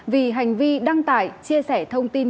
vì hành vi đăng tải chia sẻ thông tin